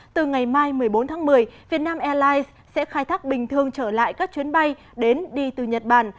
từ ngày mai một mươi bốn tháng một mươi vietnam airlines sẽ khai thác bình thường trở lại các chuyến bay đến đi từ nhật bản